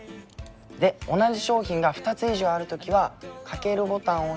で同じ商品が２つ以上ある時はかけるボタンを押して。